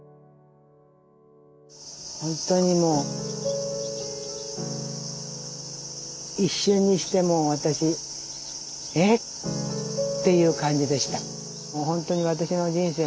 本当にもう一瞬にしてもう私えっていう感じでした。